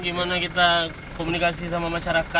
gimana kita komunikasi sama masyarakat ya kan